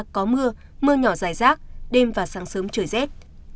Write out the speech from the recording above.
có mưa mưa nhỏ dài rác đêm và sáng sớm trời rét